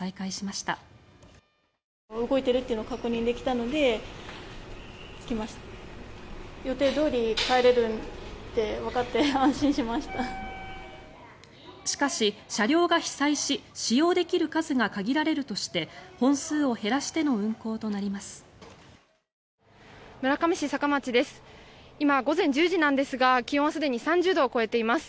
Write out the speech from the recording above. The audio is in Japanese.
しかし、車両が被災し使用できる数が限られるとして本数を減らしての運行となります。